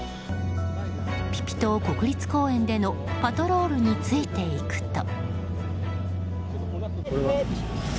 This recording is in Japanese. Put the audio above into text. ピピ島国立公園でのパトロールについていくと。